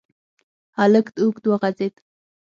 هلک اوږد وغځېد.